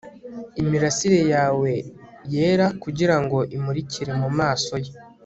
Imirasire yawe yera kugirango imurikire mumaso ye